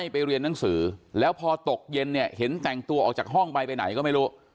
ไปเรียนหนังสือแล้วพอตกเย็นเนี่ยเห็นแต่งตัวออกจากห้องไปไปไหนก็ไม่รู้